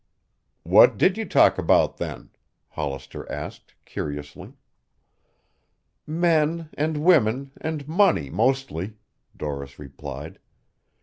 "What did you talk about then?" Hollister asked curiously. "Men and women and money mostly," Doris replied.